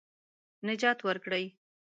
نجات ورکړي.